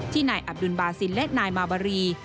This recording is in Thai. นายอับดุลบาซินและนายมาบารี